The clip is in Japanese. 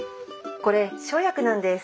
これ生薬なんです。